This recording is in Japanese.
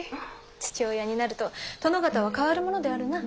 父親になると殿方は変わるものであるな。